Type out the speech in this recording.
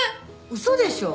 嘘でしょう？